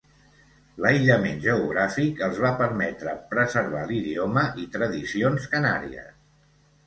L'aïllament geogràfic els va permetre preservar l'idioma i tradicions canàries.